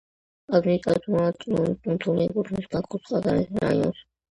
ადმინისტრაციულად ჩილოვის კუნძული ეკუთვნის ბაქოს ხაზარის რაიონს.